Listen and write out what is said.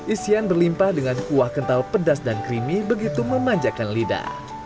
isian berlimpah dengan kuah kental pedas dan creamy begitu memanjakan lidah